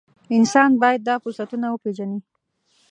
انسان باید دا فرصتونه وپېژني.